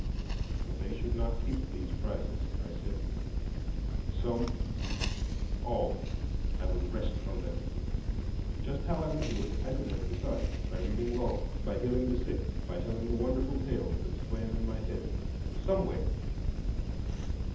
But they should not keep these prizes, I said; some, all, I would wrest from them. Just how I would do it I could never decide: by reading law, by healing the sick, by telling the wonderful tales that swam in my head,—some way.